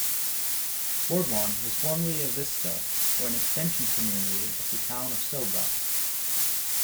Borbon was formerly a "visita" or an extension community of the town of Sogod.